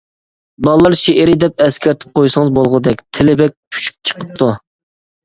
باللار شېئىرى دەپ ئەسكەرتىپ قويسىڭىز بولغۇدەك. تىلى بەك چۈچۈك چىقىپتۇ!